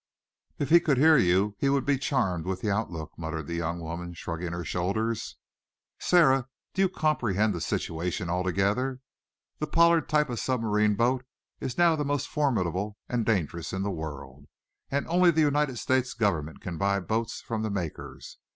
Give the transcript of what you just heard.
"If he could hear you, he would be charmed with the outlook," muttered the young woman, shrugging her shoulders. "Sara, do you comprehend the situation altogether? The Pollard type of submarine boat is now the most formidable and dangerous in the world and only the United States Government can buy boats from the makers!